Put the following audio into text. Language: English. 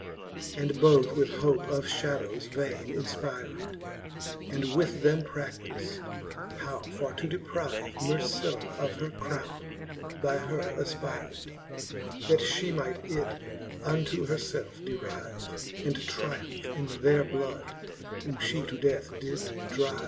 And both with hope of fhadovves vaine infpyred) And with them pra£iiz'd, how for to depryvc Mercilla of her crowne, by her afpyred,' That fhe might it unto her felfe deryve, And tryumph in their blood, whom fhe to death did dryve.